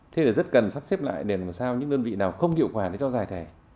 thế là rất cần sắp xếp lại để làm sao những đơn vị nào không hiệu quả để cho giải thẻ